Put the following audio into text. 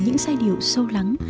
và những sai điệu sâu lắng